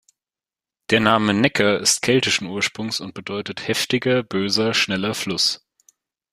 Der Name Necker ist keltischen Ursprungs und bedeutet "heftiger, böser, schneller Fluss".